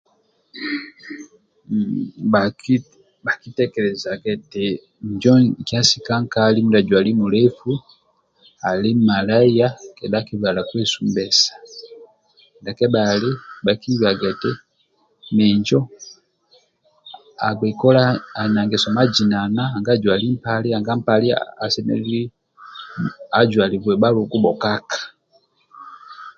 Bhakitekelejaga eti njo nkya sikankali midyajwali mulefu ali Malaya kedha akibhala kwesumbesa ndia kebhali bhakihibhaga nti minjo ali na ngeso mazinana nanga ajwali mulefu nanga mpali asemelelu nanga male asemelelu ajwalibwe bhaluku bhokaka